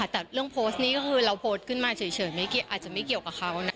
แต่เรื่องโพสต์นี้ก็คือเราโพสต์ขึ้นมาเฉยอาจจะไม่เกี่ยวกับเขานะ